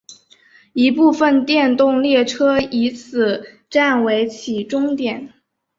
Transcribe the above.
一部分电动列车以此站为起终点。